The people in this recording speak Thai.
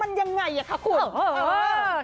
มันยังไงอ่ะคะคุณ